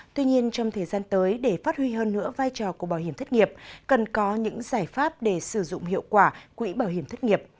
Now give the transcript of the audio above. tuy nhiên trong thời gian tới để phát huy hơn nữa vai trò của bảo hiểm thất nghiệp cần có những giải pháp để sử dụng hiệu quả quỹ bảo hiểm thất nghiệp